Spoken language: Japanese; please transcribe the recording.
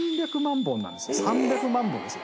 ３００万本ですよ。